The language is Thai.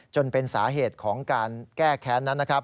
จนเป็นสาเหตุของการแก้แค้นนั้น